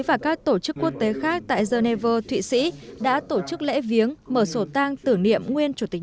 và các tổ chức quốc tế khác tại geneva thụy sĩ đã tổ chức lễ viếng mở sổ tăng tử niệm nguyên chủ tịch